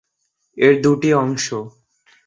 এর দুটি অংশ।